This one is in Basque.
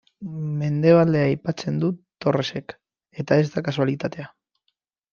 Mendebaldea aipatzen du Torresek, eta ez da kasualitatea.